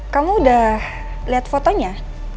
kamu udah liat fotonya